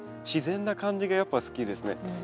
自然な感じがやっぱ好きですね。